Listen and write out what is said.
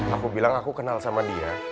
aku bilang aku kenal sama dia